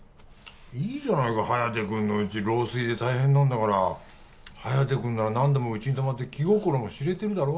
いいじゃないか颯君のうち漏水で大変なんだから颯君なら何度もうちに泊まって気心も知れてるだろ？